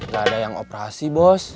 gak ada yang operasi bos